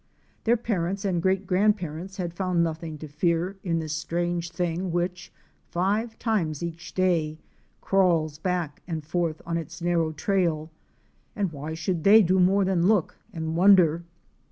Their parents and great grandparents had found nothing to fear in this strange thing which, five times each day, crawls back and forth on its narrow trail, and why should they do more than look and wonder?